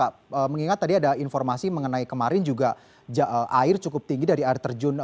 pak mengingat tadi ada informasi mengenai kemarin juga air cukup tinggi dari air terjun